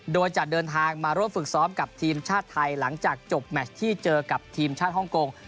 โดยจะเดินทางมาร่วมฝึกซ้อมกับทีมชาติไทยหลังจากจบแมชที่เจอกับทีมชาติฮ่องกง